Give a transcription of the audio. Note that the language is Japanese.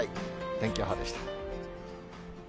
天気予報でした。